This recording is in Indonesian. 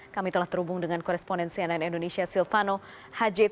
kami telah terhubung dengan koresponen cnn indonesia silvano hajid